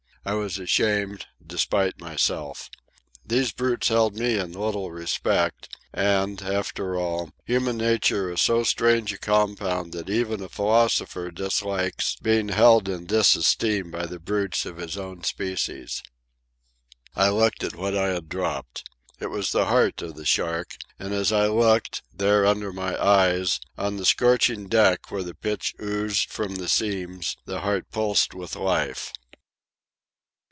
I was shamed, despite myself. These brutes held me in little respect; and, after all, human nature is so strange a compound that even a philosopher dislikes being held in disesteem by the brutes of his own species. I looked at what I had dropped. It was the heart of the shark, and as I looked, there under my eyes, on the scorching deck where the pitch oozed from the seams, the heart pulsed with life.